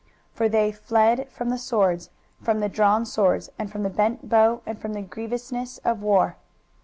23:021:015 For they fled from the swords, from the drawn sword, and from the bent bow, and from the grievousness of war.